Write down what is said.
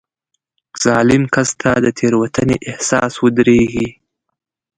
ظالم کس ته د تېروتنې احساس ودرېږي.